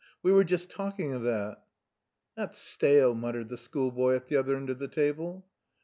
"We were just talking of that." "That's stale," muttered the schoolboy at the other end of the table.